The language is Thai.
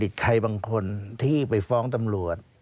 ดิทธิ์ใครบางคนที่ไปฟ้องตำรวจ